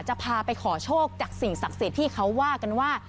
จะพาไปขอโชคจากสิ่งศักดิ์สิทธิ์ที่เขาว่ากันว่า